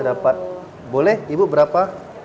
dapat boleh ibu berapa